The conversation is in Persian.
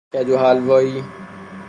کدوحلوایی